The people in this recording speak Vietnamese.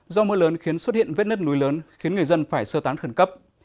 do mưa lớn khiến xuất hiện vết nứt núi lớn khiến người dân phải sơ tán khẩn cấp